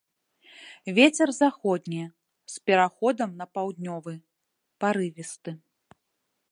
Вецер заходні з пераходам на паўднёвы, парывісты.